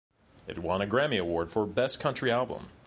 It won a Grammy Award for Best Country Album.